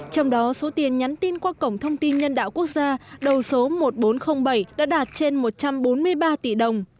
trong đó số tiền nhắn tin qua cổng thông tin nhân đạo quốc gia đầu số một nghìn bốn trăm linh bảy đã đạt trên một trăm bốn mươi ba tỷ đồng